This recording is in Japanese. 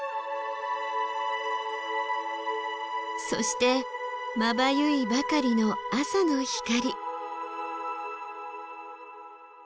そしてまばゆいばかりの朝の光。